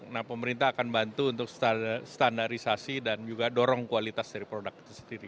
nah pemerintah akan bantu untuk standarisasi dan juga dorong kualitas dari produk itu sendiri